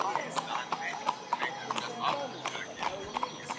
boxer Aamir Khan Pakistan میں boxing کی nursery Lyari پہنچ گئے